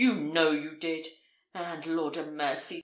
you know you did! And, Lord 'a mercy!